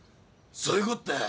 そういうこったよ。